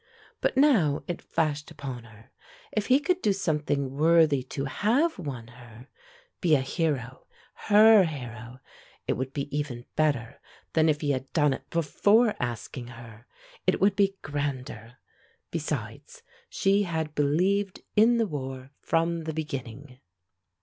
But now, it flashed upon her, if he could do something worthy to have won her be a hero, her hero it would be even better than if he had done it before asking her; it would be grander. Besides, she had believed in the war from the beginning.